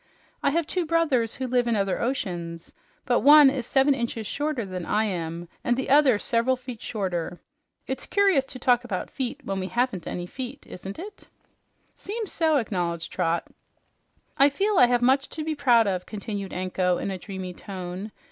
I have two brothers who live in other oceans, but one is seven inches shorter than I am, and the other several feet shorter. It's curious to talk about feet when we haven't any feet, isn't it?" "Seems so," acknowledged Trot. "I feel I have much to be proud of," continued Anko in a dreamy tone.